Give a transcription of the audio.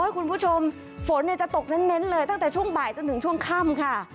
คุณผู้ชมฝนจะตกเน้นเลยตั้งแต่ช่วงบ่ายจนถึงช่วงค่ำค่ะ